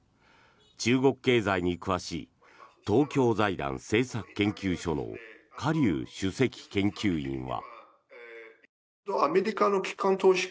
中国経済に詳しい東京財団政策研究所のカ・リュウ主席研究員は。